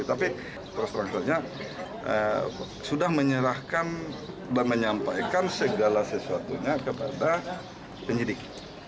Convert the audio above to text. tapi terus terang saja sudah menyerahkan dan menyampaikan segala sesuatunya kepada penyidik